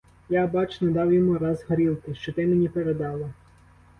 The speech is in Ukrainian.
Я, бач, не дав йому раз горілки, що ти мені передала.